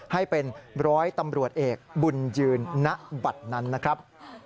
ให้เป็นร้อยตำรวจเอกบุญยืนณบัตรนั้นนะครับ